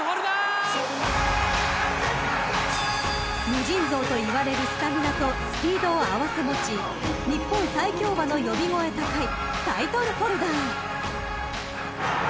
［無尽蔵といわれるスタミナとスピードを併せ持ち日本最強馬の呼び声高い］